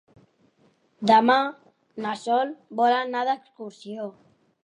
Demà na Sol vol anar d'excursió.